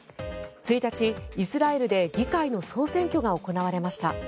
１日、イスラエルで議会の総選挙が行われました。